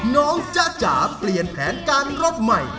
จ๊ะจ๋าเปลี่ยนแผนการรถใหม่